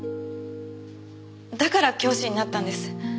だから教師になったんです。